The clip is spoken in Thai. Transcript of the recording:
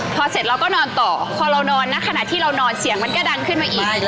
พอเสร็จเราก็นอนต่อพอเรานอนนะขณะที่เรานอนเสียงมันก็ดังขึ้นมาอีก